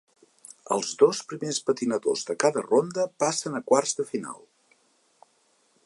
Els dos primers patinadors de cada ronda passen a quarts de final.